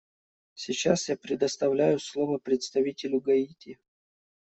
Сейчас я предоставляю слово представителю Гаити.